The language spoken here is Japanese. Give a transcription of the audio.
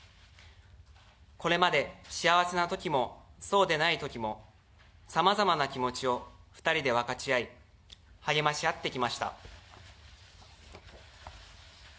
これまで幸せなときも、そうでないときも、さまざまな気持ちを２人で分かち合い、励まし合ってきました。